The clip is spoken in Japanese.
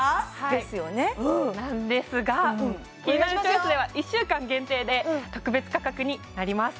ですよねなんですが「キニナルチョイス」では１週間限定で特別価格になります